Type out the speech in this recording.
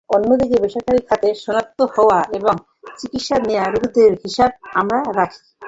অন্যদিকে বেসরকারি খাতের শনাক্ত হওয়া এবং চিকিৎসা নেওয়া রোগীদের হিসাব আমরা রাখি।